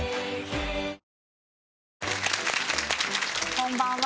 こんばんは。